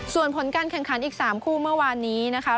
ส่วนผลการแข่งขันอีก๓คู่เมื่อวานนี้นะคะ